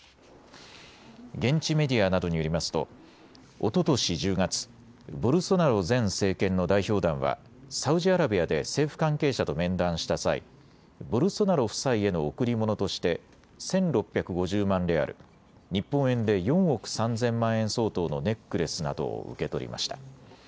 現地メディアなどによりますとおととし１０月、ボルソナロ前政権の代表団はサウジアラビアで政府関係者と面談した際、ボルソナロ夫妻への贈り物として１６５０万レアル、日本円で４億３０００万円相当のネックレスなどを受け取りました。